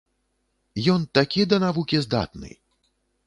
Ён такі да навукі здатны!